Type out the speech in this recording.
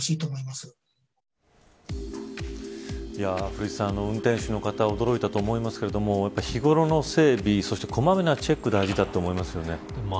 古市さん、運転手の方驚いたと思いますけれども日頃の整備そして、小まめなチェック大事だと思いますよね。